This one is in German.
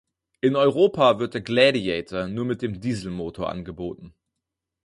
In Europa wird der Gladiator nur mit dem Dieselmotor angeboten.